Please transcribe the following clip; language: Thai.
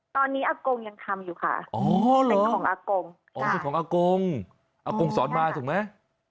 ตอนนี้อากงยังทำอยู่ค่ะเป็นของอากงอากงสอนมาถูกไหม